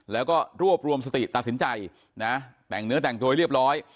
แล้วก็รวบรวมสติตัดสินใจนะแต่งเนื้อแต่งตัวให้เรียบร้อย